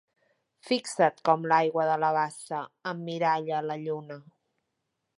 Fixa't com l'aigua de la bassa emmiralla la lluna!